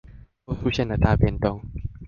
都出現了大變動